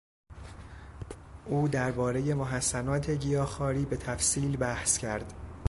او دربارهی محسنات گیاهخواری به تفصیل بحث کرد.